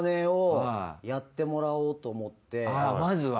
まずは？